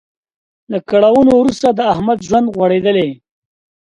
له کړاوونو وروسته د احمد ژوند غوړیدلی.